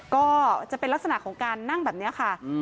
ก็จะเป็นลักษณะของการนั่งแบบนี้ค่ะ